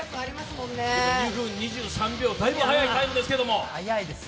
２分２３秒、だいぶ速いタイムですけど。